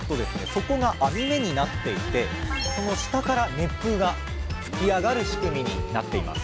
底が網目になっていてその下から熱風が吹き上がる仕組みになっています